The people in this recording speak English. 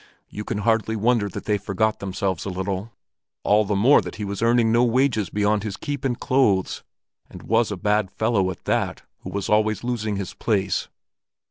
You can hardly wonder that they forgot themselves a little, all the more that he was earning no wages beyond his keep and clothes, and was a bad fellow at that, who was always losing his place."